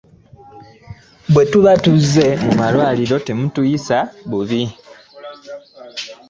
Bwe tuba tuzze mu malwaliro temutuyisa bubi.